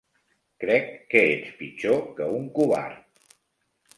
Crec que ets pitjor que un covard.